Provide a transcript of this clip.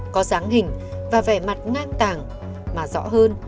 có dáng hình và vẻ mặt ngang tàng mà rõ hơn